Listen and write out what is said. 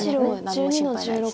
何も心配ないです。